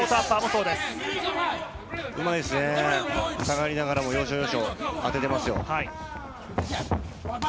うまいですね、下がりながらも要所要所当ててますよ。